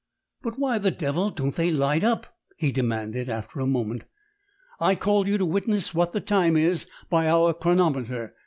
"But why the devil don't they light up?" he demanded after a moment. "I call you to witness what the time is by our chronometer.